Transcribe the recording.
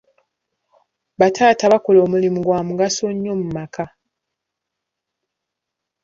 Bataata bakola omulimu gwa mugaso nnyo mu maka.